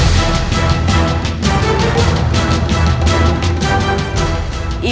sampai jumpa lagi